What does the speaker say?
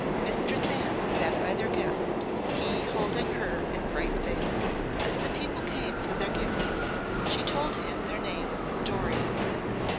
Mistress Anne sate by their guest, he holding her in great favour. As the people came for their gifts she told him their names and stories.